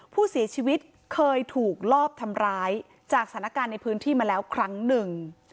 ผู้เสียชีวิตเคยถูกลอบทำร้ายจากสถานการณ์ในพื้นที่มาแล้วครั้งหนึ่ง